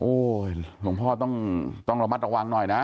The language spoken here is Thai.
หลวงพ่อต้องระมัดระวังหน่อยนะ